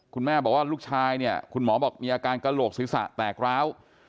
คุณแม่บอกว่าลูกชายเนี่ยคุณหมอบอกมีอาการกระโหลกศีรษะแตกร้าว